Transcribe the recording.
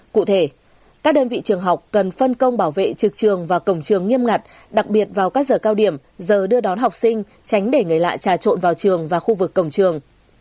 cụ thể các đơn vị trường học cần phân công bảo vệ trực trường và cổng trường nghiêm ngặt đặc biệt vào các giờ cao điểm giờ đưa đón học sinh tránh để người lạ trà trộn vào trường và khu vực cổng trường